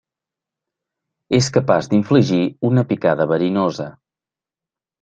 És capaç d'infligir una picada verinosa.